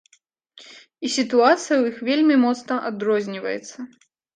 І сітуацыя ў іх вельмі моцна адрозніваецца.